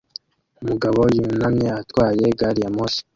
Umugabo yunamye atwaye gari ya moshi